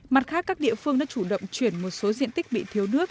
mặt khác các địa phương đã chủ động chuyển một số diện tích bị thiếu nước